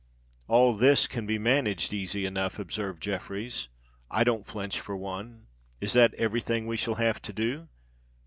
"All this can be managed easy enough," observed Jeffreys. "I don't flinch, for one. Is that every thing we shall have to do?"